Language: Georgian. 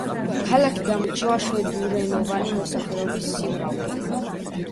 ქალაქი გამოირჩევა შვედურენოვანი მოსახლეობის სიმრავლით.